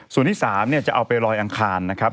ส่วนที่๓จะเอาไปลอยอังคารนะครับ